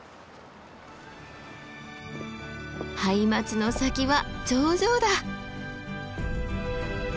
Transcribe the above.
ハイマツの先は頂上だ！